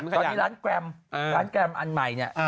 ตอนนี้ร้านแกรมร้านแกรมอันใหม่เนี่ย